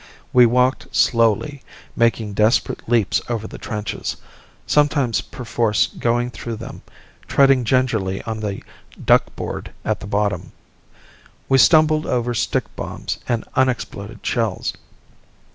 We walked slowly, making desperate leaps over the trenches, sometimes perforce going through them, treading gingerly on the "duck board" at the bottom. We stumbled over stick bombs and unexploded shells.